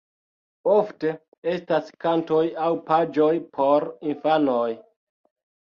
Ofte estas kantoj aŭ paĝoj por infanoj.